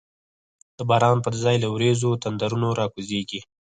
د باران پر ځای له وریځو، تندرونه را کوزیږی